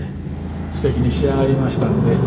すてきに仕上がりましたんで。